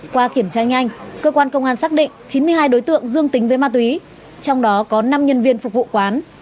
qua kiểm tra nhanh cơ quan công an xác định chín mươi hai đối tượng dương tính với ma túy trong đó có năm nhân viên phục vụ quán